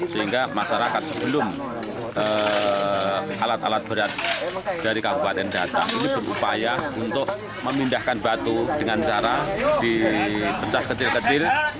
sehingga masyarakat sebelum alat alat berat dari kabupaten datang ini berupaya untuk memindahkan batu dengan cara dipecah kecil kecil